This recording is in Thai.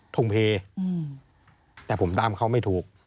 ทงเพแต่ผมตามเขาไม่ถูก